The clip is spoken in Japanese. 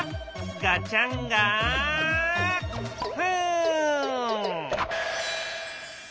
ガチャンガフン！